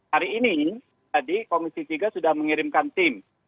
hari ini tadi komisi tiga sudah mengirimkan tim